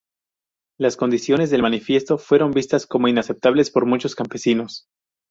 Las condiciones del manifiesto fueron vistas como inaceptables por muchos campesinos.